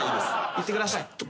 行ってください。